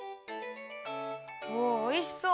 おおいしそう。